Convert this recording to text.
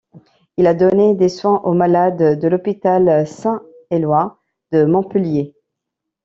Il a donné des soins aux malades de l'hôpital Saint-Eloi de Montpellier.